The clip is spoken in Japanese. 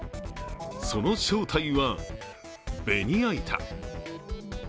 その正体は、ベニヤ板。